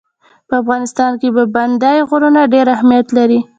په افغانستان کې پابندی غرونه ډېر اهمیت لري.